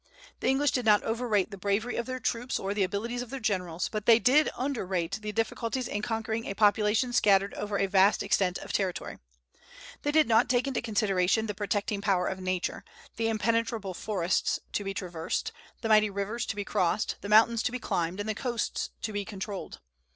The English did not overrate the bravery of their troops or the abilities of their generals, but they did underrate the difficulties in conquering a population scattered over a vast extent of territory. They did not take into consideration the protecting power of nature, the impenetrable forests to be traversed, the mighty rivers to be crossed, the mountains to be climbed, and the coasts to be controlled.